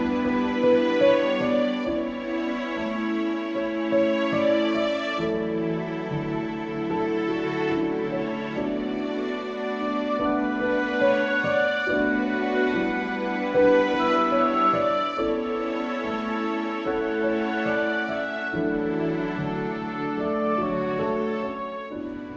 terima kasih ibu